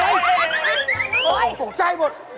โอ้โหตกใจหมด